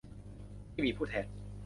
ที่มีผู้แทน